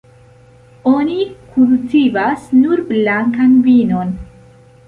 Oni kultivas nur blankan vinon.